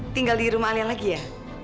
tinggal di rumah anda lagi ya